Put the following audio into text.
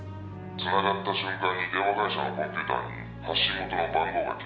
「つながった瞬間に電話会社のコンピューターに発信元の番号が記録されちゃうんでしょ？」